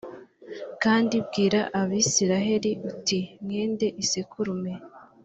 kandi bwira abisirayeli uti mwende isekurume